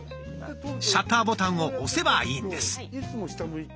シャッターボタンを押せばいいんです。